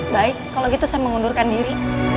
baik kalau gitu saya mengundurkan diri